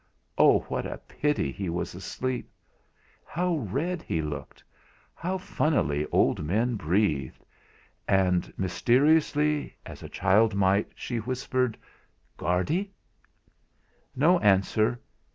Oh! what a pity he was asleep! How red he looked! How funnily old men breathed! And mysteriously, as a child might, she whispered: "Guardy!" No answer!